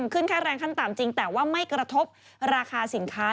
ขึ้นค่าแรงขั้นต่ำจริงแต่ว่าไม่กระทบราคาสินค้า